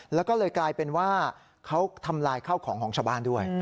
แล้วก็เลยกลายเป็นว่าเขาทำลายข้าวของของชาวบ้านด้วย